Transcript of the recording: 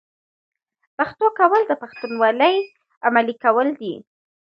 پښتو کول د پښتونولۍ عملي کول دي.